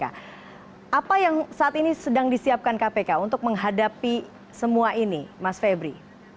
apa yang saat ini sedang disiapkan kpk untuk menghadapi semua ini mas febri